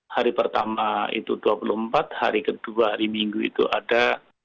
hari pertama itu dua puluh empat hari kedua hari minggu itu ada